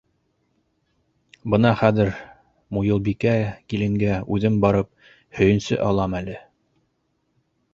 Бына хәҙер Муйылбикә киленгә үҙем барып һөйөнсө алам әле.